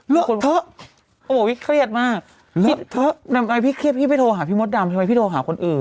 เขาบอกพี่เครียดมากพี่เครียดพี่ไม่โทรหาพี่มดดำทำไมพี่โทรหาคนอื่น